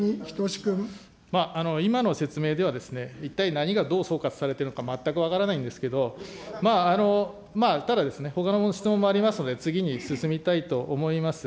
今の説明では、一体何がどう総括されているのか全く分からないんですけど、ただですね、ほかの質問もありますので次に進みたいと思います。